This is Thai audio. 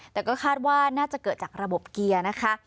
แต่ก็คาดว่าน่าจะเกิดจากระบบเกียร์นะคะ